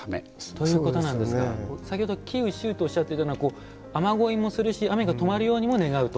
先ほどおっしゃっていたのは雨乞いもするし雨が止まるようにも願うと。